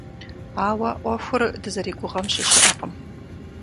Ауэ ӏуэхур дызэригугъэм щыщыӏэкъым.